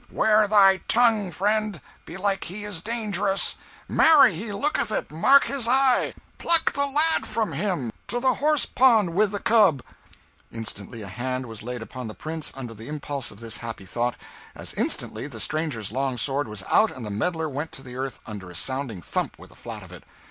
"'Ware thy tongue, friend: belike he is dangerous!" "Marry, he looketh it mark his eye!" "Pluck the lad from him to the horse pond wi' the cub!" Instantly a hand was laid upon the Prince, under the impulse of this happy thought; as instantly the stranger's long sword was out and the meddler went to the earth under a sounding thump with the flat of it.